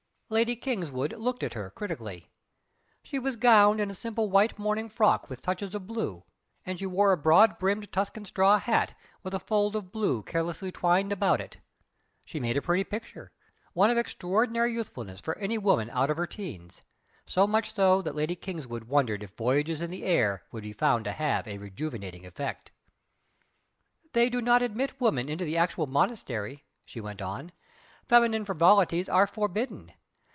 Lady Kingswood looked at her critically. She was gowned in a simple white morning frock with touches of blue, and she wore a broad brimmed Tuscan straw hat with a fold of blue carelessly twined about it. She made a pretty picture one of extraordinary youthfulness for any woman out of her 'teens so much so that Lady Kingswood wondered if voyages in the air would be found to have a rejuvenating effect. "They do not admit women into the actual monastery" she went on "Feminine frivolities are forbidden!